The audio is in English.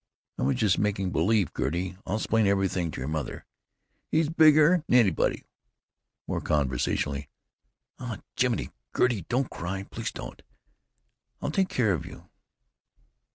(I was just making b'lieve, Gertie; I'll 'splain everything to your mother.) He's bigger 'n anybody!" More conversationally: "Aw, Jiminy! Gertie, don't cry! Please don't. I'll take care of you.